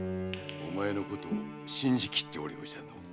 お前のことを信じきっておるようじゃのう。